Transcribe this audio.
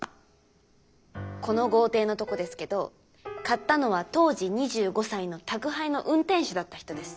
この豪邸のとこですけど買ったのは当時２５歳の宅配の運転手だった人です。